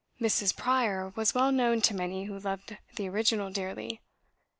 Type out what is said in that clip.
"Mrs. Pryor" was well known to many who loved the original dearly.